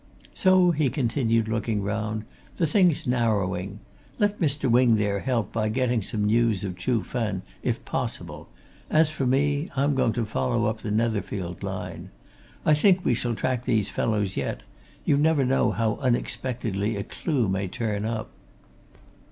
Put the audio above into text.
"So," he continued, looking round, "the thing's narrowing. Let Mr. Wing there help by getting some news of Chuh Fen, if possible; as for me, I'm going to follow up the Netherfield line. I think we shall track these fellows yet you never know how unexpectedly a clue may turn up."